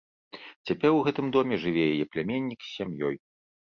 Цяпер у гэтым доме жыве яе пляменнік з сям'ёй.